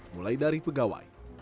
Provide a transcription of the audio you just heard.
mulai dari pegawai